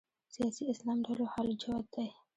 سیاسي اسلام ډلو حال جوت دی